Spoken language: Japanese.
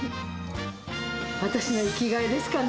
私の生きがいですかね。